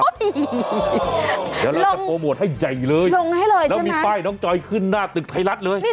เดี๋ยวเราจะโปรโมทให้ใหญ่เลยแล้วมีป้ายน้องจอยขึ้นหน้าตึกไทยรัฐเลยลงให้เลยใช่ไหม